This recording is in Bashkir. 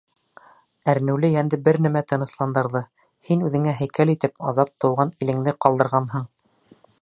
Әрнеүле йәнде бер нәмә тынысландырҙы: һин үҙеңә һәйкәл итеп азат Тыуған илеңде ҡалдырғанһың.